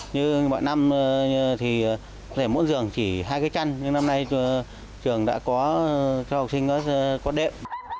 như mọi năm thì rẻ mũi giường chỉ hai cái chăn nhưng năm nay trường đã có cho học sinh có đệm